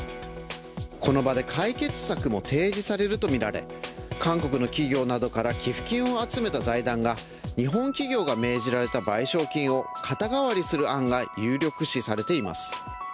この場で解決策も提示されるとみられ韓国の企業などから寄付金を集めた財団が日本企業が命じられた賠償金を肩代わりする案が有力視されています。